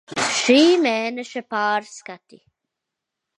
Šī mēneša pārskati.